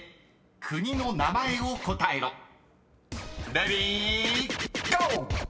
［レディーゴー！］